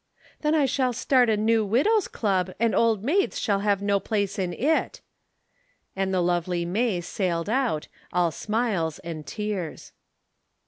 "Then I shall start a new Widows' Club and Old Maids shall have no place in it." And the lovely May sailed out, all smiles and tears.